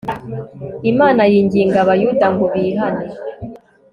imana yinginga abayuda ngo bihane